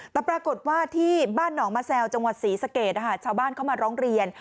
แต่ปรากฏว่าที่บ้านหนองมะแซวจังหวัดศรีสะเกดชาวบ้านเข้ามาร้องเรียน